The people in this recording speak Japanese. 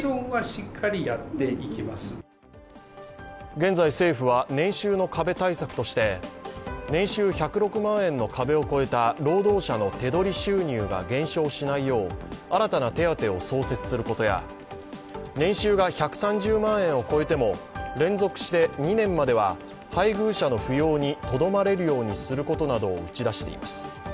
現在、政府は年収の壁対策として年収１０６万円の壁を越えた労働者の手取り収入が減少しないよう新たな手当を創設することや年収が１３０万円を超えても連続して２年までは配偶者の扶養にとどまれるようにすることなどを打ち出しています。